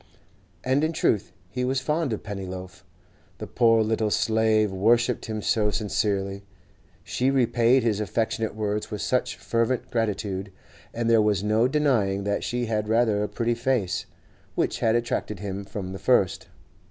And in truth he was fond of Pennyloaf. The poor little slave worshipped him so sincerely; she repaid his affectionate words with such fervent gratitude; and there was no denying that she had rather a pretty face, which had attracted him from the first.